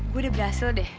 gue udah berhasil deh